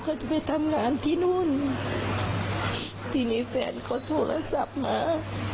เขาจะไปทำงานที่นู่นทีนี้แฟนเขาโทรศัพท์มา